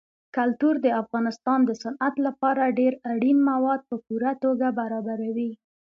کلتور د افغانستان د صنعت لپاره ډېر اړین مواد په پوره توګه برابروي.